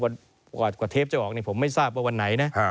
กว่าเทปจะออกผมไม่ทราบว่าวันไหนนะ